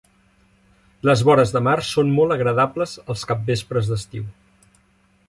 Les vores de mar són molt agradables els capvespres d'estiu.